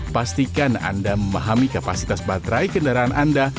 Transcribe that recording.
pastikan anda memahami kapasitas baterai kendaraan anda